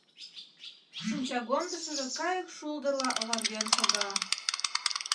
Шинчагомдышыжо кайык шулдырла оварген шога.